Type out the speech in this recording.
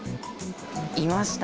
いました。